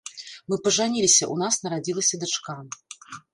Мы пажаніліся, у нас нарадзілася дачка.